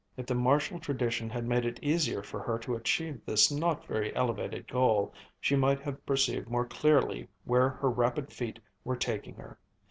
If the Marshall tradition had made it easier for her to achieve this not very elevated goal, she might have perceived more clearly where her rapid feet were taking her.